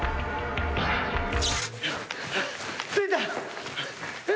着いた！